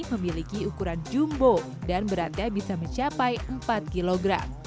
memiliki ukuran jumbo dan beratnya bisa mencapai empat kg